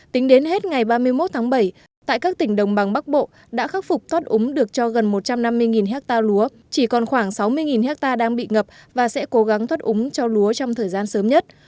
tính đến hết ngày ba mươi một tháng bảy tại các tỉnh đồng bằng bắc bộ đã khắc phục toát úng được cho gần một trăm năm mươi hectare lúa chỉ còn khoảng sáu mươi hectare đang bị ngập và sẽ cố gắng thoát úng cho lúa trong thời gian sớm nhất